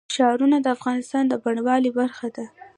ښارونه د افغانستان د بڼوالۍ برخه ده.